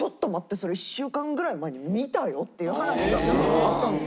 それ１週間ぐらい前に見たよ」っていう話があったんですよ。